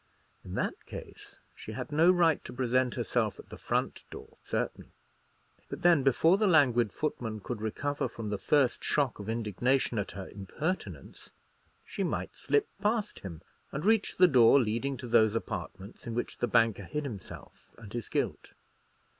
In that case she had no right to present herself at the front door, certainly; but then, before the languid footman could recover from the first shock of indignation at her impertinence, she might slip past him and reach the door leading to those apartments in which the banker hid himself and his guilt.